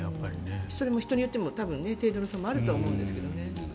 それも人によって程度の差もあると思うんですけどね。